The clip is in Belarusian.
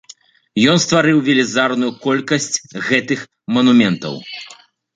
Ён стварыў велізарную колькасць гэтых манументаў.